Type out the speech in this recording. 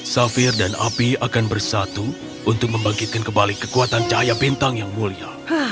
safir dan api akan bersatu untuk membangkitkan kembali kekuatan cahaya bintang yang mulia